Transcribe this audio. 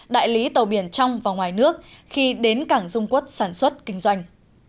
đại lý tàu biển trong và ngoài nước khi đến cảng dung quốc sản xuất kinh doanh